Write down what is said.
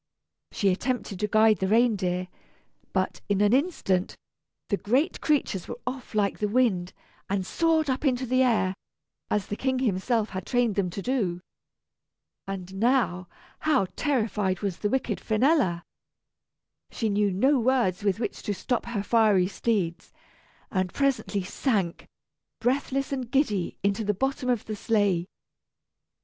She attempted to guide the reindeer, but, in an instant, the great creatures were off like the wind, and soared up into the air, as the King himself had trained them to do. And now, how terrified was the wicked Finella! She knew no words with which to stop her fiery steeds, and presently sank, breathless and giddy, into the bottom of the sleigh.